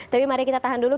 tapi mari kita tahan dulu